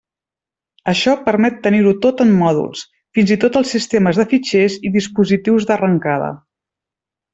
Això permet tenir-ho tot en mòduls, fins i tot els sistemes de fitxers i dispositius d'arrencada.